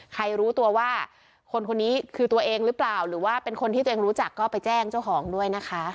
รู้ตัวว่าคนคนนี้คือตัวเองหรือเปล่าหรือว่าเป็นคนที่ตัวเองรู้จักก็ไปแจ้งเจ้าของด้วยนะคะ